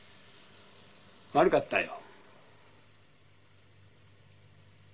「悪かったよ」